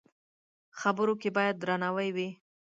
خبرو کې باید درناوی وي